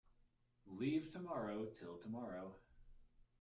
Leave tomorrow till tomorrow.